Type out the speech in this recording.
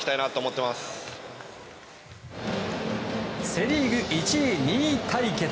セ・リーグ１位２位対決。